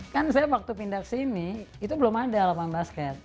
kan saya waktu pindah ke sini itu belum ada lapangan basket